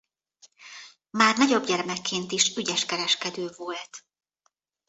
Már nagyobb gyermekként is ügyes kereskedő volt.